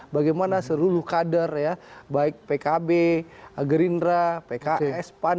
bagaimana seluruh kader ya baik pkb gerindra pks pan